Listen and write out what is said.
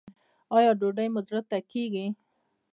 ایا ډوډۍ مو زړه ته کیږي؟